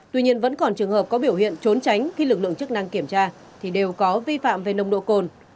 tuy nhiên vẫn còn trường hợp có biểu hiện trốn tránh khi lực lượng chức năng kiểm tra thì đều có vi phạm về nông độ cồn